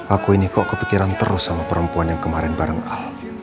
aku ini kok kepikiran terus sama perempuan yang kemarin bareng ah